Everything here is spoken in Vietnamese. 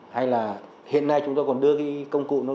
hay là hiện nay chúng ta còn đưa công cụ